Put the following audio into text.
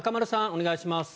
お願いします。